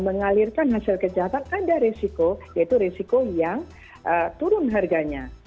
mengalirkan hasil kejahatan ada risiko yaitu risiko yang turun harganya